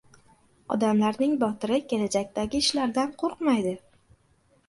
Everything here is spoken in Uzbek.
Odamlarning botiri kelajakdagi ishlardan qo‘rqmaydi.